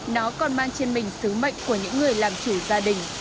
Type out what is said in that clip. nó còn mang trên mình sứ mệnh của những người làm chủ gia đình